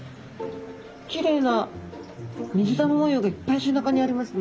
きれいな水玉模様がいっぱい背中にありますね。